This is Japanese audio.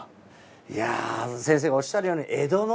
いや先生がおっしゃるように江戸の。